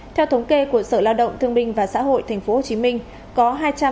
theo thống kê của sở lao động thương binh và xã hội tp hcm